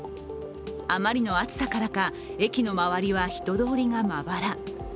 あまりの暑さからか駅の周りは人通りがまばら。